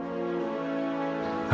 galah kita baik baik aja